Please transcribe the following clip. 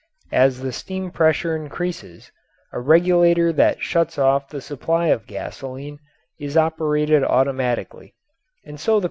As the steam pressure increases, a regulator that shuts off the supply of gasoline is operated automatically, and so the pressure is maintained.